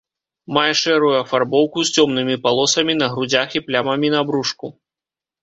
Мае шэрую афарбоўку з цёмнымі палосамі на грудзях і плямамі на брушку.